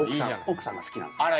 奥さんが好きなんですよ。